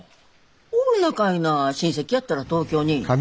おるやかいな親戚やったら東京に。